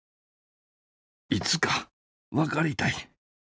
いつか分かりたい。